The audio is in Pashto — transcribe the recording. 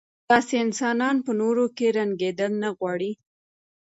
داسې انسانان په نورو کې رنګېدل نه غواړي.